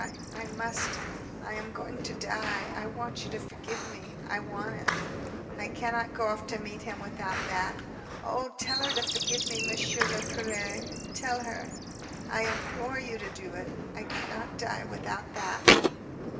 I must ... I am going to die ... I want you to forgive me. I want it ... I cannot go off to meet him without that. Oh, tell her to forgive me, Monsieur le Curé, tell her ... I implore you to do it. I cannot die without that...."